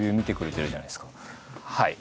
はい。